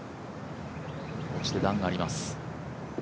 落ちて段があります。